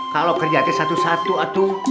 kalo kerjanya satu satu atuh